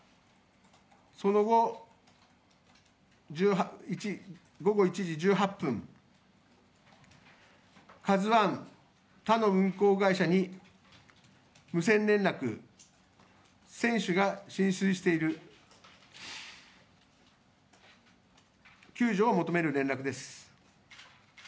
その後、午後１時１８分「ＫＡＺＵⅠ」、他の運航会社に無線連絡、船首が浸水している救助を求める連絡です。